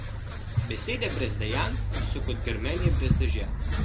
Besede brez dejanj so kot grmenje brez dežja.